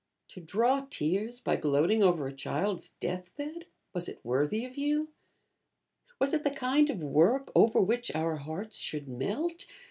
To draw tears by gloating over a child's death bed, was it worthy of you? Was it the kind of work over which our hearts should melt?